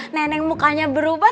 neneng mukanya berubah